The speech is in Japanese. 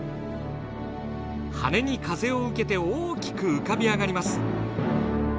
羽に風を受けて大きく浮かび上がります。